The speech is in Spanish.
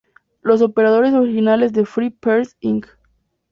Los operadores originales de Free Peers, Inc.